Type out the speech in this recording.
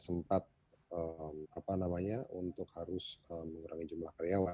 saya tidak sempat untuk harus mengurangi jumlah karyawan